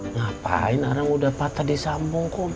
ngapain arang udah patah disambung